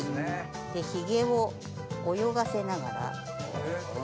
ヒゲを泳がせながら。